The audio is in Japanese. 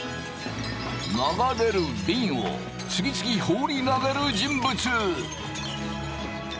流れるびんを次々放り投げる人物！